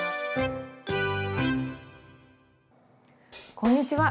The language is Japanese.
こんにちは。